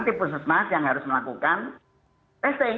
tim puskesmas yang harus melakukan testing